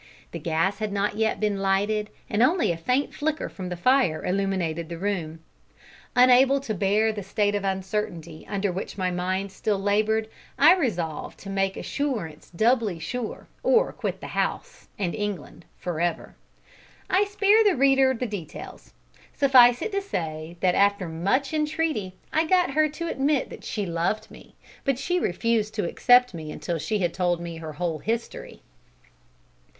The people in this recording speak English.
The gas had not yet been lighted, and only a faint flicker from the fire illumined the room. Unable to bear the state of uncertainty under which my mind still laboured, I resolved to make assurance doubly sure, or quit the house and England for ever! I spare the reader the details. Suffice it to say that after much entreaty, I got her to admit that she loved me, but she refused to accept me until she had told me her whole history.